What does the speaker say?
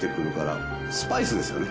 スパイスですよね。